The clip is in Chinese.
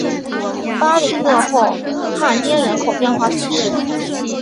巴里讷后帕涅人口变化图示